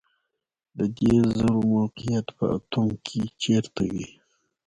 د دې ذرو موقعیت په اتوم کې چیرته وي